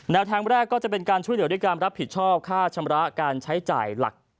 ทางแรกก็จะเป็นการช่วยเหลือด้วยการรับผิดชอบค่าชำระการใช้จ่ายหลัก